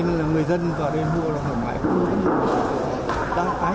nên là người dân vào đây mua là thẩm máy không có cái gì